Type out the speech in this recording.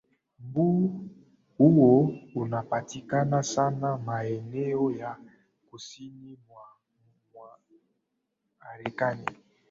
mbu huyo anapatikana sana maeneo ya kusini mwa arekani